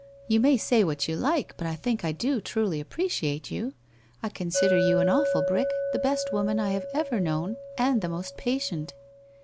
' You may say what you like, but I think I do truly appreciate you. I consider you an awful brick, the best woman I have ever known and the most patient.'